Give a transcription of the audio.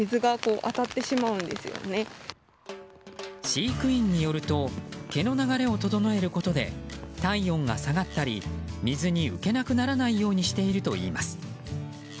飼育員によると毛の流れを整えることで体温が下がったり水に浮けなくならないようにしているといいます。